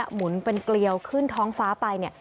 หมุนเป็นเกลียวขึ้นท้องฟ้าไปเนี่ย